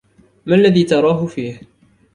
ما الذي تراهُ فيه؟